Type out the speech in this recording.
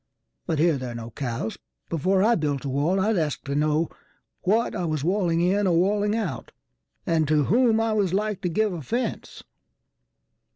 But here there are no cows. Before I built a wall I'd ask to knowWhat I was walling in or walling out, And to whom I was like to give offence.